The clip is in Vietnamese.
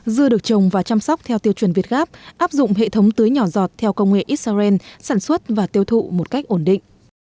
dưa được trồng và chăm sóc theo tiêu chuẩn việt gáp áp dụng hệ thống tưới nhỏ giọt theo công nghệ israel sản xuất và tiêu thụ một cách ổn định